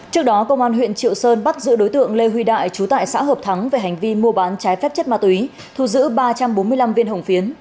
trước đó công an huyện triệu sơn bắt giữ đối tượng lê huy đại chú tại xã hợp thắng về hành vi mua bán trái phép chất ma túy thu giữ ba trăm bốn mươi năm viên hồng phiến